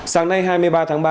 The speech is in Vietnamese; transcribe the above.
sáng nay hai mươi ba tháng ba